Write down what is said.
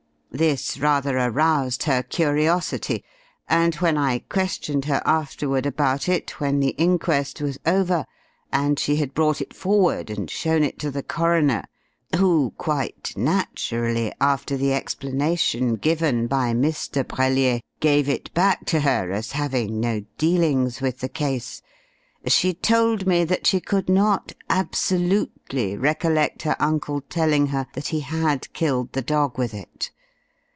This rather aroused her curiosity, and when I questioned her afterward about it, when the inquest was over, and she had brought it forward and shown it to the coroner, who quite naturally after the explanation given by Mr. Brellier, gave it back to her as having no dealings with the case, she told me that she could not absolutely recollect her uncle telling her that he had killed the dog with it.